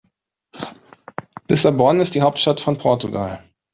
Lissabon ist die Hauptstadt von Portugal.